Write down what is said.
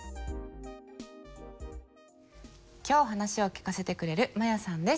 今日話を聞かせてくれるマヤさんです。